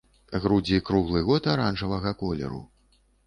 Грудзі круглы год аранжавага колеру.